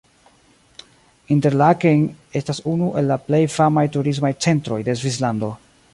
Interlaken estas unu el la plej famaj turismaj centroj de Svislando.